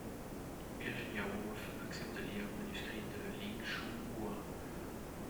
Virginia Woolf accepte de lire un manuscrit de Ling Shuhua.